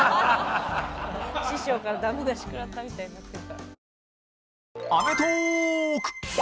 師匠から駄目出し食らったみたいになってるから。